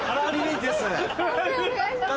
判定お願いします。